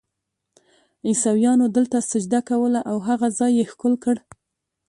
عیسویانو دلته سجده کوله او هغه ځای یې ښکل کړ.